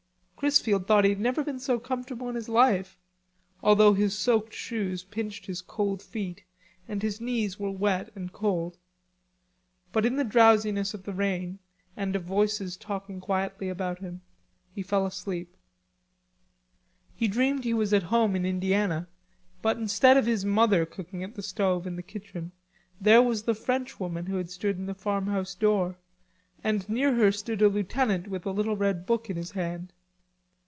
Chrisfield thought he had never been so comfortable in his life, although his soaked shoes pinched his cold feet and his knees were wet and cold. But in the drowsiness of the rain and of voices talking quietly about him, he fell asleep. He dreamed he was home in Indiana, but instead of his mother cooking at the stove in the kitchen, there was the Frenchwoman who had stood in the farmhouse door, and near her stood a lieutenant with a little red book in his hand.